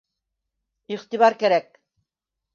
Иғтибар кәрәк.